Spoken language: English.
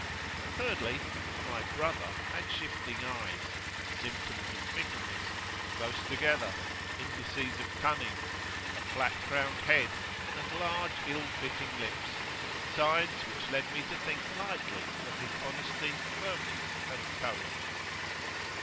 And, thirdly, my "brother" had shifting eyes (symptoms of fickleness), close together (indices of cunning); a flat crowned head, and large ill fitting lips; signs which led me to think lightly of his honesty, firmness, and courage.